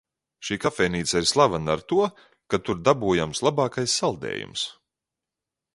Šī kafejnīca ir slavena ar to, ka tur dabūjams labākais saldējums.